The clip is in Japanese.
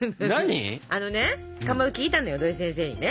あのねかまど聞いたのよ土井先生にね。